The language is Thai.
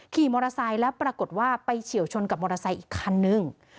ขี่มอเตอร์ไซค์แล้วปรากฏว่าไปเฉียวชนกับมอเตอร์ไซค์อีกคันนึง